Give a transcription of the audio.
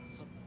sup sup sup